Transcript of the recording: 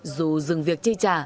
dù dừng việc chi trả